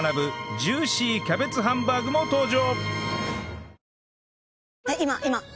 ジューシーキャベツハンバーグも登場！